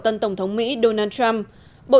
tân tổng thống mỹ donald trump bộ